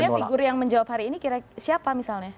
sebenarnya figur yang menjawab hari ini kira kira siapa misalnya